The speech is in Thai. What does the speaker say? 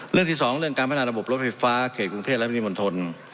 เรื่องที่สองเรื่องการพัฒนาระบบรถไฟฟ้าเขตกรุงเทพและปริมณฑล